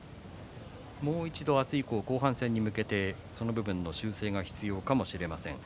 もう一度明日以降後半戦に向けてその部分の修正が必要かもしれません。